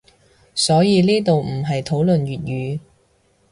所以呢度唔係討論粵語